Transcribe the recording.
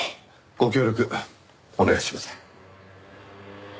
ご協力お願いします。